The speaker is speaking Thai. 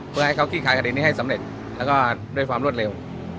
เพื่อให้เขาขี้คายคดีนี้ให้สำเร็จแล้วก็ด้วยความรวดเร็ว